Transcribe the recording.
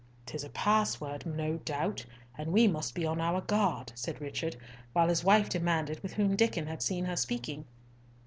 "'Tis a password, no doubt, and we must be on our guard," said Richard, while his wife demanded with whom Diccon had seen her speaking.